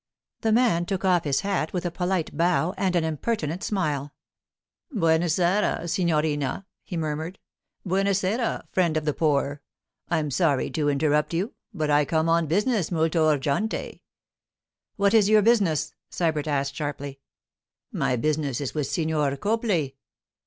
The man took off his hat with a polite bow and an impertinent smile. 'Buona sera, signorina,' he murmured. 'Buona sera, Friend of the Poor. I'm sorry to interrupt you, but I come on business molto urgente.' 'What is your business?' Sybert asked sharply. 'My business is with Signor Copley.